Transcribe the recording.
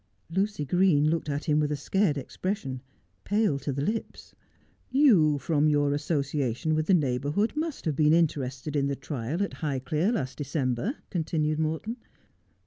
Lucy Green looked at him with a scared expression, pale to the lips. ' You, from your association with the neighbourhood, must have been interested in the trial at Highclere last December,' continued Morton.